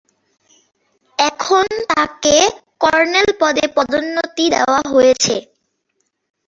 এখন তাঁকে কর্নেল পদে পদোন্নতি দেওয়া হয়েছে।